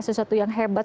sesuatu yang hebat